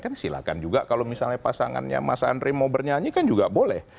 kan silakan juga kalau misalnya pasangannya mas andre mau bernyanyi kan juga boleh